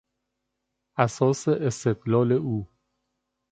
اساس استدلال او